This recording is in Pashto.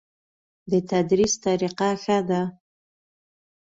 د تدریس طریقه ښه ده؟